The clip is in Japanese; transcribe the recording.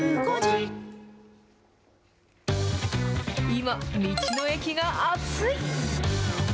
今、道の駅が熱い。